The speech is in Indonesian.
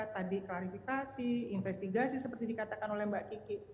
tadi klarifikasi investigasi seperti dikatakan oleh mbak kiki